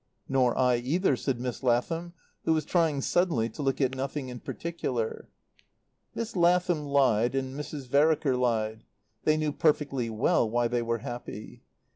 "Nor I, either," said Miss Lathom, who was trying suddenly to look at nothing in particular. Miss Lathom lied and Mrs. Vereker lied; they knew perfectly well why they were happy.